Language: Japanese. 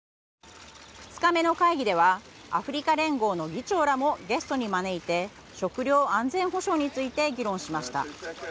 ２日目の会議ではアフリカ連合の議長らもゲストに招いて食料安全保障について議論しました。